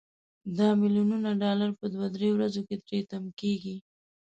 دا ملیونونه ډالر په دوه درې ورځو کې تري تم کیږي.